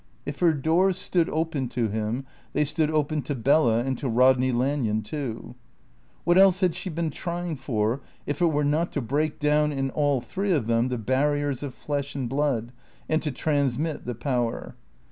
If her doors stood open to him, they stood open to Bella and to Rodney Lanyon too. What else had she been trying for, if it were not to break down in all three of them the barriers of flesh and blood and to transmit the Power?